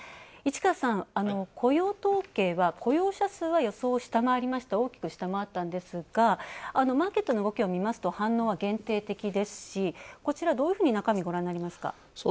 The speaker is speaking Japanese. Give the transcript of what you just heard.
市川さん、雇用統計は予想を大きく下回りましたがマーケットの動きを見ますと反応は限定的ですし、こちら、どういうふうに中身、ご覧になりますか？